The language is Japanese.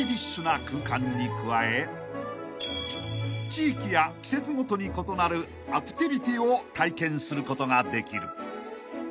［地域や季節ごとに異なるアクティビティを体験することができる］